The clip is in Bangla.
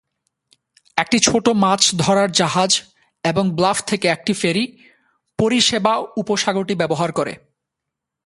একটি ছোট মাছ ধরার জাহাজ এবং ব্লাফ থেকে একটি ফেরি পরিষেবা উপসাগরটি ব্যবহার করে।